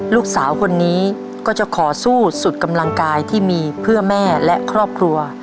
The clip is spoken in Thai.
ลูกสาวคนนี้ก็จะขอสู้สุดกำลังกายที่มีเพื่อแม่และครอบครัว